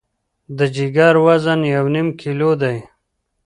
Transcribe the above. د جګر وزن یو نیم کیلو دی.